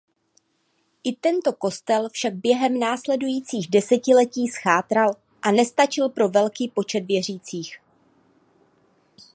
I tento kostel však během následujících desetiletí zchátral a nestačil pro velký počet věřících.